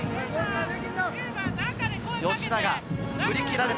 吉永、振り切られた。